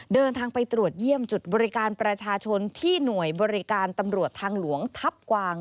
เดินทางไปตรวจเยี่ยมจุดบริการประชาชนที่หน่วยบริการตำรวจทางหลวงทัพกวาง